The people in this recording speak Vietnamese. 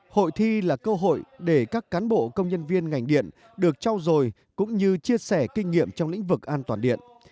hội thi là cơ hội để các cán bộ công nhân viên ngành điện được trao dồi cũng như chia sẻ kinh nghiệm trong lĩnh vực an toàn điện